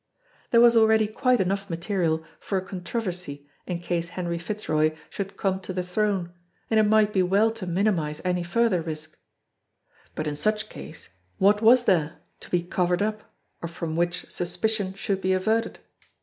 There was already quite enough material for a controversy in case Henry Fitzroy should come to the throne and it might be well to minimise any further risk. But in such case what was there to be covered up or from which suspicion should be averted?